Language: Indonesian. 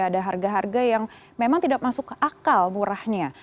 ada harga harga yang memang tidak masuk akal murahnya